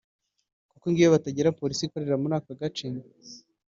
kuko ngo iyo batagira polisi ikorera muri aka gace